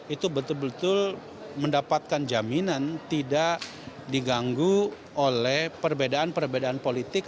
itu betul betul mendapatkan jaminan tidak diganggu oleh perbedaan perbedaan politik